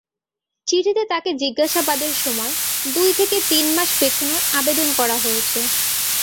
চিঠিতে তাঁকে জিজ্ঞাসাবাদের সময় দুই থেকে তিন মাস পেছানোর আবেদন করা হয়েছে।